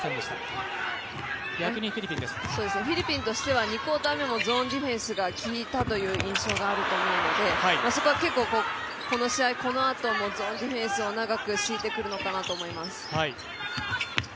フィリピンとしては２クオーター目もゾーンディフェンスが効いたという印象があると思うので、そこは結構、この試合、このあともゾーンディフェンスを長く敷いてくるのかなと思います。